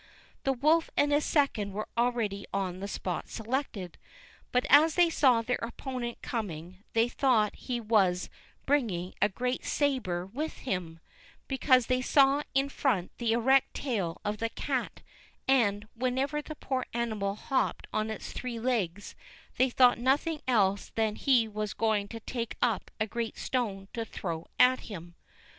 The wolf and his second were already on the spot selected, but as they saw their opponent coming they thought he was bringing a great sabre with him, because they saw in front the erect tail of the cat; and, whenever the poor animal hopped on its three legs, they thought nothing else than that he was going to take up a great stone to throw at them.